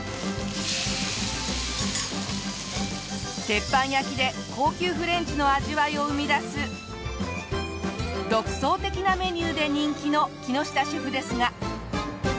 鉄板焼きで高級フレンチの味わいを生み出す独創的なメニューで人気の木下シェフですが。